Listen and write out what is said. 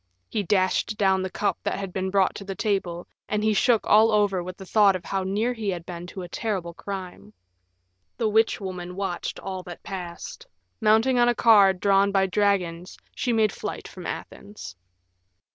He dashed down the cup that had been brought to the table, and he shook all over with the thought of how near he had been to a terrible crime. The witch woman watched all that passed; mounting on a car drawn by dragons she made flight from Athens.